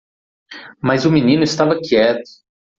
Mas o menino estava quieto.